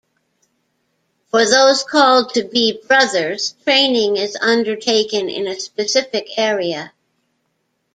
For those called to be brothers, training is undertaken in a specific area.